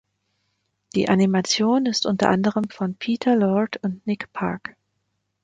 Die Animation ist unter anderem von Peter Lord und Nick Park.